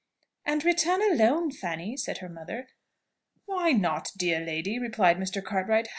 "And return alone, Fanny?" said her mother. "Why not, dear lady?" replied Mr. Cartwright.